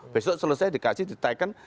besok selesai dikasih ditekan